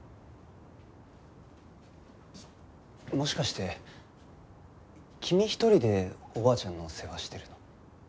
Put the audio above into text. もしかして君一人でおばあちゃんの世話してるの？